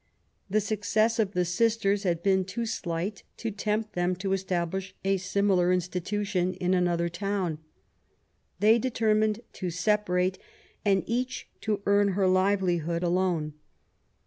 The success of the sisters had been too slight to tempt them to establish a similar institution in another town. They determined to separate^ and each to earn her livelihood alone.